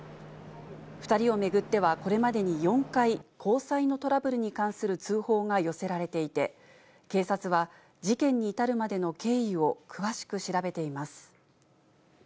２人を巡ってはこれまでに４回、交際のトラブルに関する通報が寄せられていて、警察は、事件に至るまでの経緯を詳しく調べています。